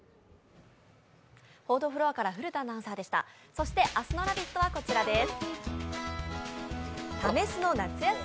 そして明日の「ラヴィット！」はこちらです。